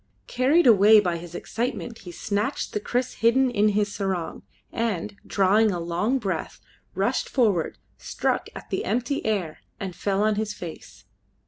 Carried away by his excitement, he snatched the kriss hidden in his sarong, and, drawing a long breath, rushed forward, struck at the empty air, and fell on his face.